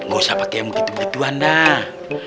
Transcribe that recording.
gak usah pakai yang begitu begituan dah